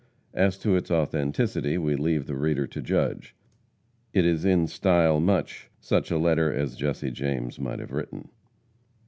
As to its authenticity, we leave the reader to judge. It is in style much such a letter as Jesse James might have written.